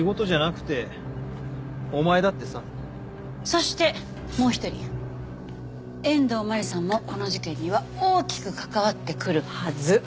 そしてもう一人遠藤真理さんもこの事件には大きく関わってくるはず。